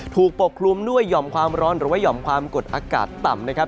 ปกคลุมด้วยหย่อมความร้อนหรือว่าห่อมความกดอากาศต่ำนะครับ